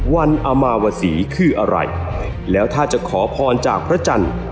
วันอมาวศรีคืออะไรแล้วถ้าจะขอพรจากพระจันทร์